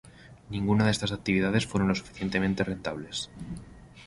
Ninguna de estas actividades fueron lo suficientemente rentables.